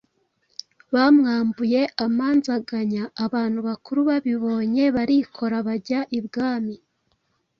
bamwambuye amanzaganya. Abantu bakuru babibonye barikora bajya ibwami.